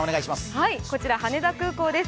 こちら、羽田空港です。